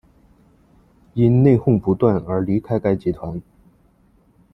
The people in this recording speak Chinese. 因内哄不断而离开该集团。